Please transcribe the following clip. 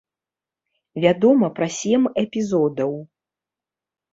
Вядома пра сем эпізодаў.